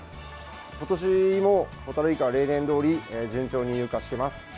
今年もホタルイカは例年どおり順調に入荷しています。